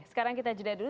sekarang kita jeda dulu